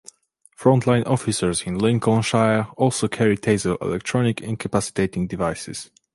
Front line officers in Lincolnshire also carry Taser electronic incapacitating devices.